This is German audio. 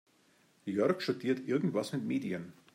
Jörg studiert irgendwas mit Medien.